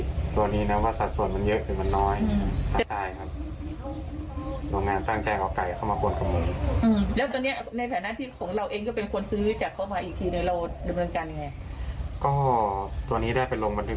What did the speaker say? ก็ตัวนี้ได้เป็นลงบันทึกประจำวันเอาไว้ครับว่าเราโดนผู้ขายหลอกล่วงมาอีกทีหนึ่ง